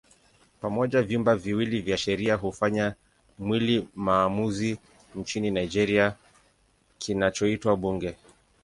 Pamoja vyumba viwili vya sheria hufanya mwili maamuzi nchini Nigeria kinachoitwa Bunge.